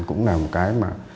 cũng là một cái